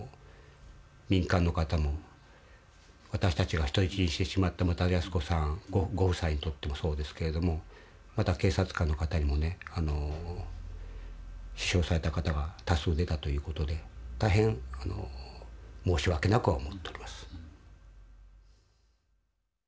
民間の方も私たちが人質にしてしまった牟田泰子さんご夫妻にとってもそうですけれどもまた警察官の方にもね死傷された方が多数出たという事で大変申し訳なくは思っております。